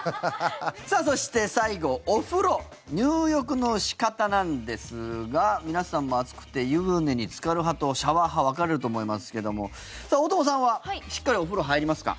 そして最後お風呂、入浴の仕方なんですが皆さんも、暑くて湯船につかる派とシャワー派分かれると思いますけども大友さんはしっかりお風呂入りますか？